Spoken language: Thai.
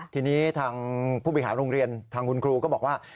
ทีนี้ทางผู้บริหารโรงเรียนทางคุณครูก็บอกว่า